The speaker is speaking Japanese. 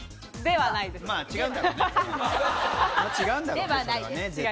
まぁ違うんだろうね。